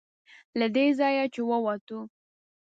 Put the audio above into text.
له دې ځایه چې ووتو.